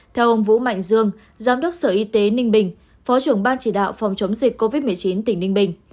theo ông vũ mạnh dương giám đốc sở y tế ninh bình phó trưởng ban chỉ đạo phòng chống dịch covid một mươi chín tỉnh ninh bình